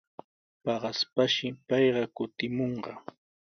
Paqaspashi payqa kutimunqa.